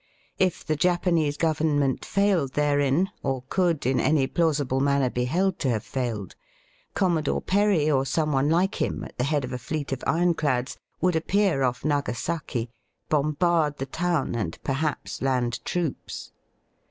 If the Japanese Government failed therein, or could, in any plausible manner, be held to have failed, Commodore Perry or some one like him, at the head of a fleet of ironclads, would appear oflf Nagasaki, bombard the town, and perhaps land troops.